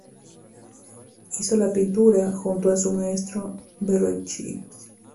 Hizo la pintura junto con su maestro Verrocchio.